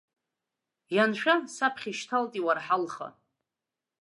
Ианшәа, саԥхьа ишьҭалт иуарҳалха.